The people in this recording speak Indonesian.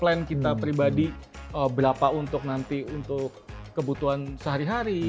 plan kita pribadi berapa untuk nanti untuk kebutuhan sehari hari